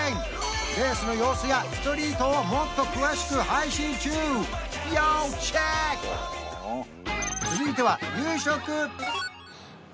レースの様子やストリートをもっと詳しく配信中要チェック！